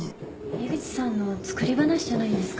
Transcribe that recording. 井口さんの作り話じゃないんですか？